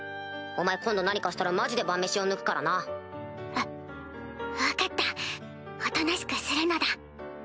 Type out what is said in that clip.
お前今度何かしたらマジで晩飯を抜くからな？わ分かったおとなしくするのだ。